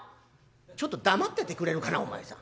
「ちょっと黙っててくれるかなお前さん。